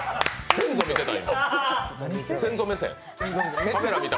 先祖見てた？